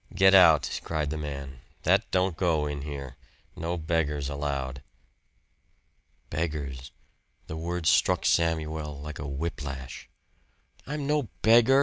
"Get out!" cried the man. "That don't go in here. No beggars allowed!" Beggars! The word struck Samuel like a whip lash. "I'm no beggar!"